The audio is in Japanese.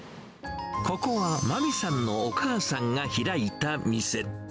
ここは真美さんのお母さんが開いた店。